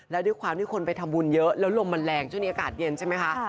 แล้วด้วยความที่คนไปทำบุญเยอะแล้วลมมันแรงช่วงนี้อากาศเย็นใช่ไหมคะ